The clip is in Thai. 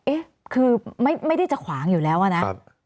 เอ๊ะคือไม่ได้จะขวางอยู่แล้วอะนะ